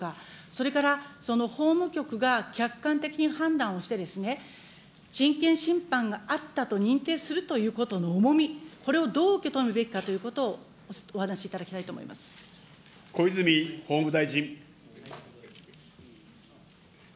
それからその法務局が客観的に判断をして、人権侵犯があったと認定するということの重み、これをどう受け止めるべきかということをお話しいただきたいと思小泉法務大臣。